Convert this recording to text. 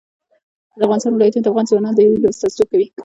د افغانستان ولايتونه د افغان ځوانانو د هیلو استازیتوب کوي.